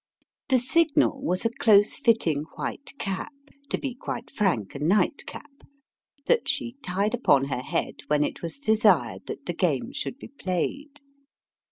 The signal was a close fitting white cap to be quite frank, a night cap that she tied upon her head when it was desired that the game should be played.